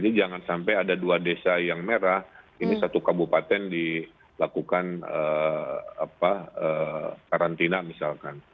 jadi jangan sampai ada dua desa yang merah ini satu kabupaten dilakukan karantina misalkan